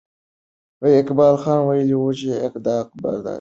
اقبال خان ویلي وو چې دا قبر داسې دی.